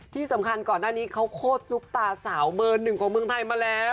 ที่สำคัญก่อนหน้านี้เขาโคตรซุปตาสาวเบอร์หนึ่งของเมืองไทยมาแล้ว